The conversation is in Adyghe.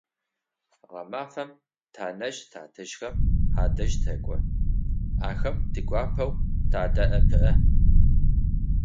Гъэмэфэм тянэжъ-тятэжъхэм адэжь тэкӀо, ахэм тигуапэу тадэӀэпыӀэ.